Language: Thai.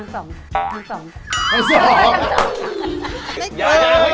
ทางสอง